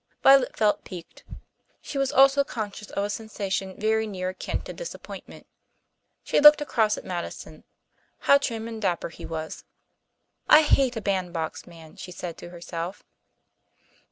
Violet felt piqued. She was also conscious of a sensation very near akin to disappointment. She looked across at Madison. How trim and dapper he was! "I hate a bandbox man," she said to herself.